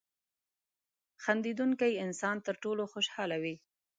• خندېدونکی انسان تر ټولو خوشحاله وي.